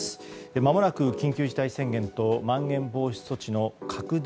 まもなく緊急事態宣言とまん延防止措置の拡大